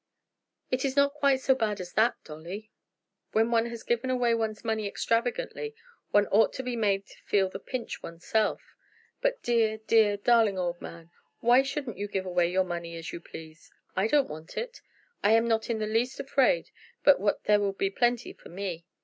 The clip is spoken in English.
"It is not quite so bad as that, Dolly." "When one has given away one's money extravagantly one ought to be made to feel the pinch one's self. But dear, dear, darling old man! why shouldn't you give away your money as you please? I don't want it. I am not in the least afraid but what there will be plenty for me.